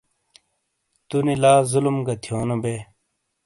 تونی لا ظلم گہ تھیونو بئے۔